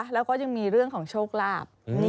แล้วก็ยังมีเรื่องของโชคลาภ